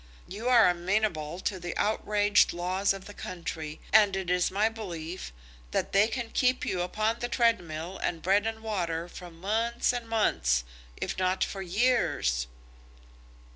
You are amenable to the outraged laws of the country, and it is my belief that they can keep you upon the treadmill and bread and water for months and months, if not for years."